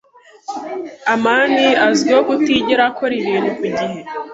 amani azwiho kutigera akora ibintu ku gihe.